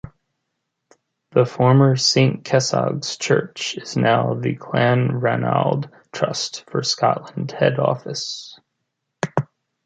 The former Saint Kessog's Church is now The Clanranald Trust for Scotland head office.